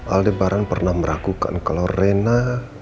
aldebaran pernah meragukan kalau rena